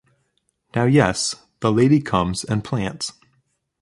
Now yes, the lady comes and plants.